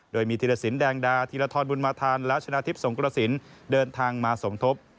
โดยมีธีรสินแดงดาธีรทรบุญมาธันและชนะทิพย์สงกระสินเดินทางมาสมทบ